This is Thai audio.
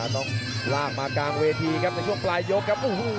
ต้องลากมากลางเวทีครับในช่วงปลายยกครับ